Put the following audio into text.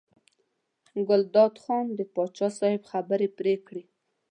ګلداد خان د پاچا صاحب خبرې پرې کړې.